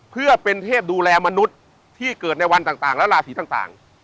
เพื่อเป็นเทพดูแลมนุษย์ที่เกิดในวันต่างและราศีต่าง